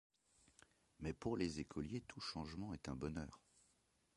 Mais pour les écoliers tout changement est un bonheur.